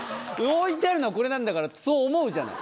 置いてあるのはこれなんだからそう思うじゃない！